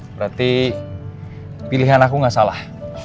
berarti pilihan aku gak salah